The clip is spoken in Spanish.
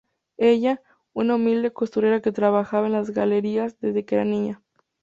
Ella, una humilde costurera que trabaja en las galerías desde que era niña.